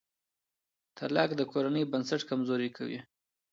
طلاق د کورنۍ بنسټ کمزوری کوي.